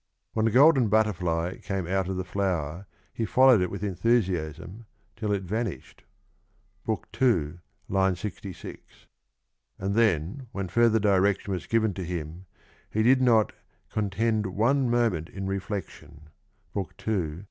When the golden butterfly came out of the flower he followed it with enthusiasm till it vanished (II. 66), and then when further direction was given to him he did not " contend one moment in reflection " (II.